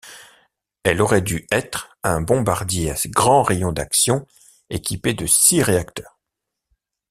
Elle aurait dû être un bombardier à grand rayon d'action équipée de six réacteurs.